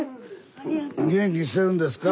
元気してるんですか？